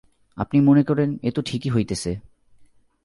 আপনি মনে করেন, এ তো ঠিকই হইতেছে।